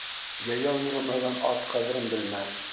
Йәйәү йөрөмәгән ат ҡәҙерен белмәҫ.